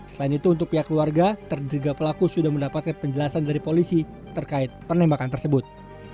selain itu untuk pihak keluarga terduga pelaku sudah mendapatkan penjelasan dari polisi terkait penembakan tersebut